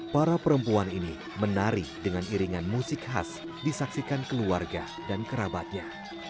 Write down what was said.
para perempuan ini menari dengan iringan musik khas disaksikan keluarga dan kerabatnya